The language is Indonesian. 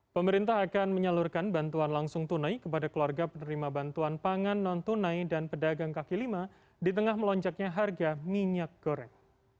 pemerintah akan menyalurkan bantuan langsung tunai kepada keluarga penerima bantuan pangan non tunai dan pedagang kaki lima di tengah melonjaknya harga minyak goreng